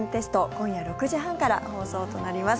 今夜６時半から放送となります。